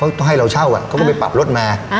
เขาให้เราเช่าเขาก็ไปปรับรถมา